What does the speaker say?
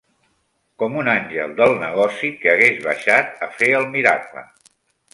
Com un àngel del negoci que hagués baixat a fer el miracle